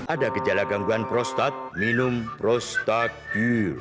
ada gejala gangguan prostat minum prostagir